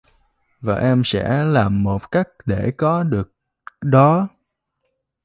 Và em sẽ làm mọi cách để có được đó